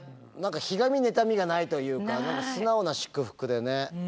ひがみ妬みがないというか素直な祝福でね。